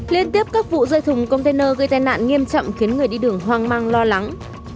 liên tiếp các vụ rơi thùng container gây tai nạn nghiêm trọng khiến người đi đường hoang mang lo lắng